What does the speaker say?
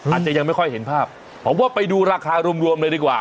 อาจจะยังไม่ค่อยเห็นภาพผมว่าไปดูราคารวมเลยดีกว่า